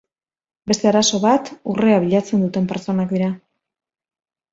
Beste arazo bat urrea bilatzen duten pertsonak dira.